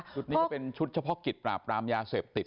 นี้ก็เป็นชุดเฉพาะกิจปราบปรามยาเสพติด